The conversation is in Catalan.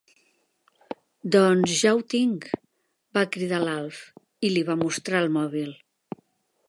Doncs ja ho tinc! —va cridar l'Alf, i li va mostrar el mòbil—.